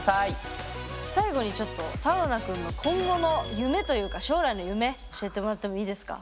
最後にちょっとサウナくんの今後の夢というか将来の夢教えてもらってもいいですか？